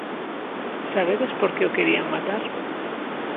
Sabedes por que o querían matar?